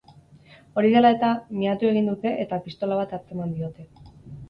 Hori dela eta, miatu egin dute eta pistola bat atzeman diote.